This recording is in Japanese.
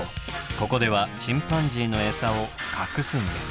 ここではチンパンジーのエサを隠すんです。